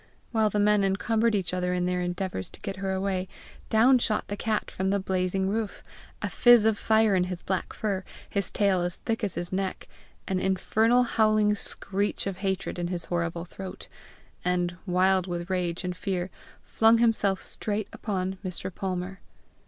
While the men encumbered each other in their endeavours to get her away, down shot the cat from the blazing roof, a fizz of fire in his black fur, his tail as thick as his neck, an infernal howling screech of hatred in his horrible throat, and, wild with rage and fear, flung himself straight upon Mr. Palmer.